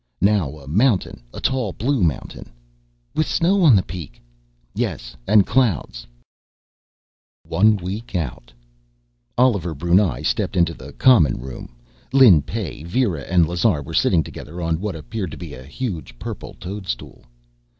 "Now a mountain, a tall blue mountain." "With snow on the peak." "Yes, and clouds...." One week out: Oliver Brunei stepped into the common room. Lin Pey, Vera, and Lazar were sitting together, on what appeared to be a huge purple toadstool.